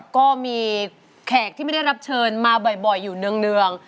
ก็มีแขกที่ไม่ได้รับเชิญมาบ่อยอยู่เนื่อง